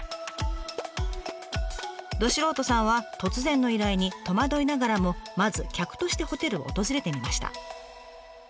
ど素人さんは突然の依頼に戸惑いながらもまず客としてホテルを訪れてみました。